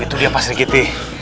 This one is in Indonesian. itu dia pak sri giti